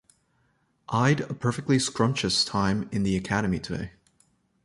I’d a perfectly scrumptious time in the Academy today.